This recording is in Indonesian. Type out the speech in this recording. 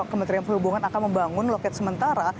kementerian perhubungan akan membangun loket sementara